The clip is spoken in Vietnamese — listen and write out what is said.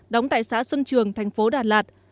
đóng tại xã xuân trường tp đà lạt